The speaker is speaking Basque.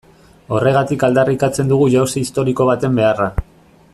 Horregatik aldarrikatzen dugu jauzi historiko baten beharra.